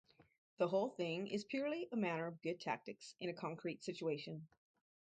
The whole thing is purely a manner of good tactics in a concrete situation.